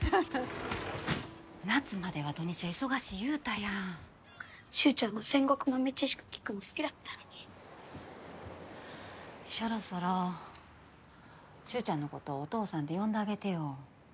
夏までは土日は忙しい言うたやん脩ちゃんの戦国豆知識聞くの好きだったのにそろそろ脩ちゃんのことをお父さんって呼んであげてよ